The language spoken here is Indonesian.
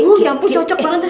wuh ya ampun cocok banget tuh